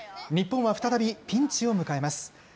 日本は再びピンチを迎えます。